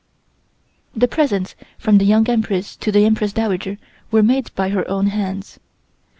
The presents from the Young Empress to the Empress Dowager were made by her own hands.